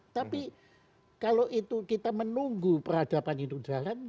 tapi kalau itu kita menunggu peradaban indonesia